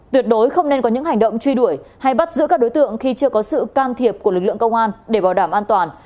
tuyệt đối không nên có những hành động truy đuổi hay bắt giữ các đối tượng khi chưa có sự can thiệp của lực lượng công an để bảo đảm an toàn